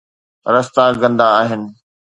رستا گندا آهن